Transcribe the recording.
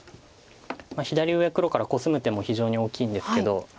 左上黒からコスむ手も非常に大きいんですけど。